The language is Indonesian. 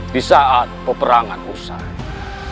di saat peperangan usai